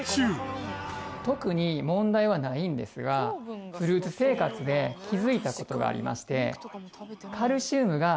特に問題はないんですがフルーツ生活で気づいた事がありまして。